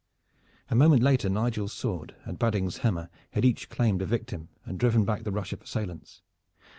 A moment later Nigel's sword and Badding's hammer had each claimed a victim and driven back the rush of assailants.